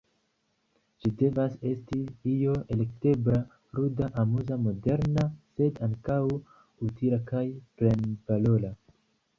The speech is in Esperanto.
Ĝi devas esti io elektebla, luda, amuza, moderna sed ankaŭ utila kaj plenvalora.